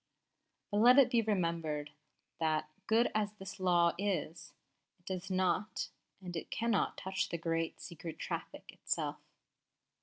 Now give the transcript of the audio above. _But let it be remembered that, good as this law is, it does not and it cannot touch the great Secret Traffic itself.